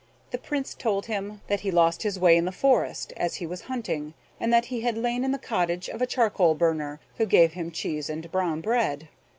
The Prince told him: That he lost his way in the forest as he was hunting, and that he had lain in the cottage of a charcoal burner, who gave him cheese and brown bread.